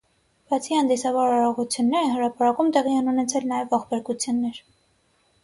Բացի հանդիսավոր արարողությունները, հրապարակում տեղի են ունեցել նաև ողբերգություններ։